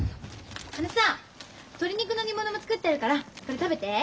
あのさ鶏肉の煮物も作ってあるからこれ食べて。